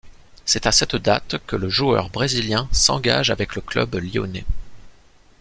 C'est à cette date que le joueur brésilien s'engage avec le club lyonnais.